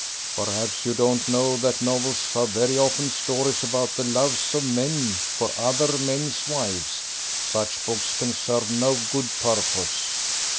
"Perhaps you don't know that novels are very often stories about the loves of men for other men's wives. Such books can serve no good purpose."